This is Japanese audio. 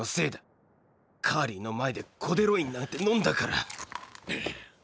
カーリーの前でコデロインなんて飲んだから！